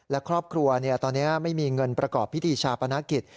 และครอบครัวตอนนี้ไม่มีเงินประกอบพิธีชาปนกิจ